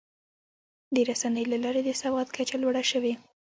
د رسنیو له لارې د سواد کچه لوړه شوې.